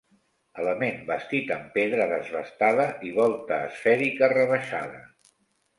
Element bastit amb pedra desbastada i volta esfèrica rebaixada.